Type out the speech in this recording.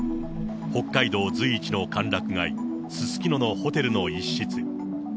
北海道随一の歓楽街、すすきののホテルの一室。